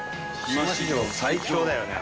島史上最強だよね。